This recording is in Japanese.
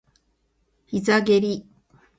膝蹴り